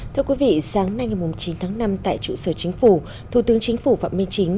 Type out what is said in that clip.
thưa quý vị sáng nay ngày chín tháng năm tại trụ sở chính phủ thủ tướng chính phủ phạm minh chính